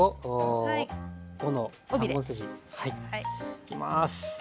いきます。